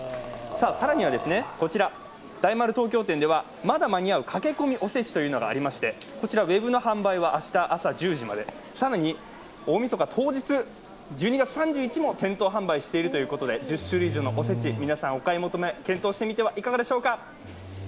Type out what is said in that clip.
更には大丸東京店ではまだ間に合う駆け込みおせちというのがありまして明日朝１０時まで、更に大みそか当日１２月３１日も店頭販売しているということで１０種類以上のお節、皆さん、お買い求め、検討してみてはいかがでしょうか。